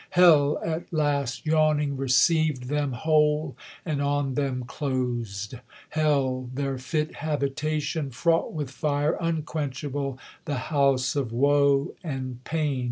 Hell at last Yawning receiv'd them whole, and on them clos'd } Hell, their fit habitation, fraught with fire Unquenchable, the house of woe and pain.